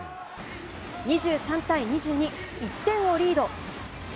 ２３対２２、１点をリード。